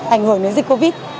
ảnh hưởng đến dịch covid